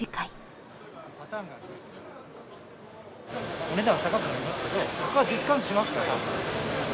お値段は高くなりますけどディスカウントしますから。